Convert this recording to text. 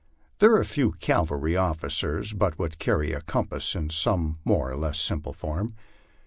There are few cavalry officers but what carry a compass in some more or less simple form.